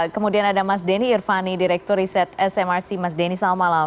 kemudian ada mas denny irvani direktur riset smrc mas denny selamat malam